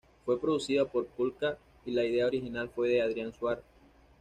Fue producida por Pol-ka y la idea original fue de Adrián Suar.